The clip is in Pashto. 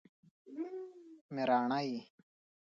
مراڼی